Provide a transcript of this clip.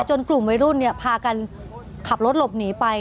กลุ่มวัยรุ่นเนี่ยพากันขับรถหลบหนีไป